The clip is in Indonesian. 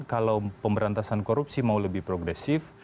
kalau pemberantasan korupsi mau lebih progresif